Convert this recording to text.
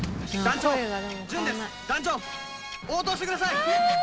団長応答してください！